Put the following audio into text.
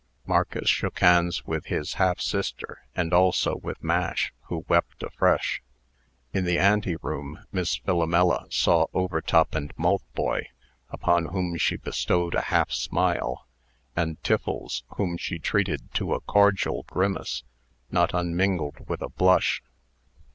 Marcus shook hands with his half sister, and also with Mash, who wept afresh. In the ante room, Miss Philomela saw Overtop and Maltboy, upon whom she bestowed a half smile, and Tiffles, whom she treated to a cordial grimace, not unmingled with a blush.